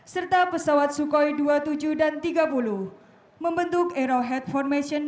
yang akan disampaikan